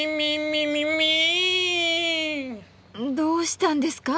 どうしたんですか？